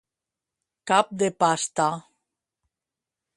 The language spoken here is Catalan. Cap de pasta.